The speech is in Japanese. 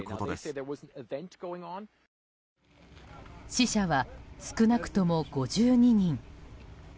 死者は少なくとも５２人。